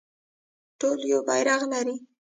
ټول یو بیرغ لري